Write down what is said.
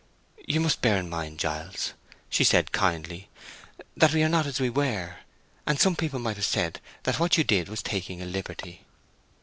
"You must bear in mind, Giles," she said, kindly, "that we are not as we were; and some people might have said that what you did was taking a liberty."